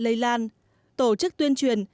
lây lan tổ chức tuyên truyền